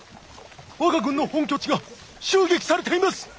我が軍の本拠地が襲撃されています！